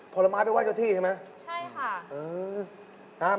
โพรม้าไปว่ายเจ้าที่ใช่ไหมอืมใช่ค่ะ